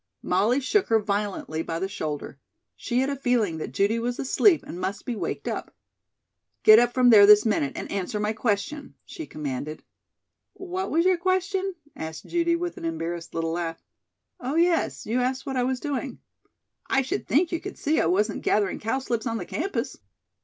Molly shook her violently by the shoulder. She had a feeling that Judy was asleep and must be waked up. "Get up from there this minute and answer my question," she commanded. "What was your question?" asked Judy with an embarrassed little laugh. "Oh, yes, you asked what I was doing. I should think you could see I wasn't gathering cowslips on the campus."